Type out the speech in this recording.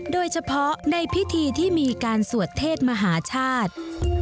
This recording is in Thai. โดยเฉพาะในพิธีที่มีการสวดเทศมหาชาติ